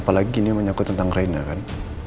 apalagi ini menyokot tentang reina kan